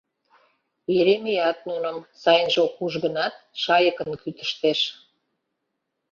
Еремеят нуным, сайынже ок уж гынат, шайыкын кӱтыштеш.